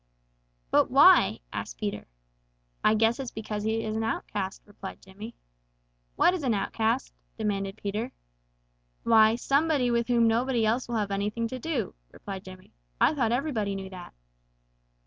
"But why?" asked Peter. "I guess it's because he is an outcast," replied Jimmy. "What is an outcast," demanded Peter. "Why, somebody with whom nobody else will have anything to do, stupid," replied Jimmy. "I thought everybody knew that."